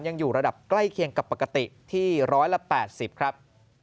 ยังอยู่ระดับใกล้เคียงกับปกติที่๑๘๐ครับ